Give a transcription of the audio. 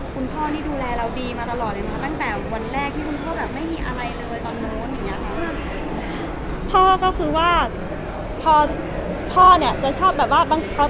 คุณพ่อดูแลเราดีมาตลอดเลยตั้งแต่วันแรกที่ไม่มีอะไรเลย